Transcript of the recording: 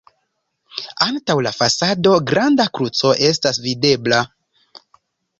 Antaŭ la fasado granda kruco estas videbla.